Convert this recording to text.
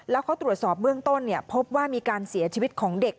แล้วเขาตรวจสอบเบื้องต้นพบว่ามีการเสียชีวิตของเด็ก